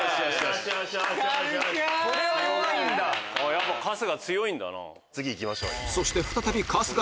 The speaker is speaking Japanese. やっぱ春日強いんだな。